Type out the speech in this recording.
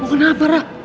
lo kenapa rara